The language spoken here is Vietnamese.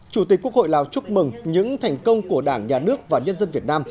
chủ tịch quốc hội lào chúc mừng những thành công của đảng nhà nước và nhân dân việt nam